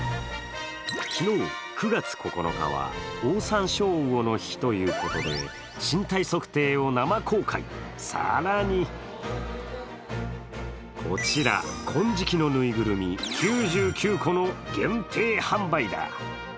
昨日９月９日はオオサンショウウオの日ということで身体測定を生公開、更にこちら、金色のぬいぐるみ９９個の限定販売。